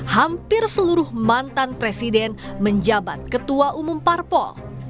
hampir seluruh mantan presiden menjabat ketua umum parpol